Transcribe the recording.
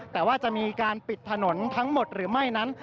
แต่ว่าจะมีการปิดถนนทั้งหมดหรือไม่นั้น